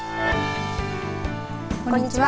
こんにちは。